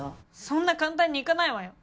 そんな簡単にいかないわよ。